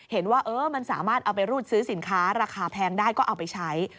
เห็นว่ามันสามารถเอาไปรูดซื้อสินค้าราคาแพงได้ก็เอาไปใช้